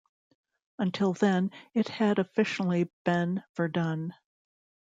Until then, it had officially been Verdun.